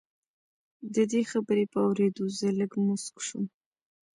د دې خبرې په اورېدو زه لږ موسک شوم